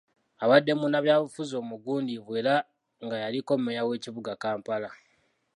Abadde munnabyabufuzi omugundiivu era nga yaliko mmeeya w'ekibuga Kampala.